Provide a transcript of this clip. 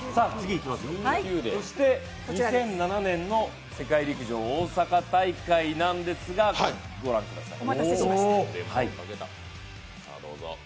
そして２００７年の世界陸上大阪大会なんですが、御覧ください。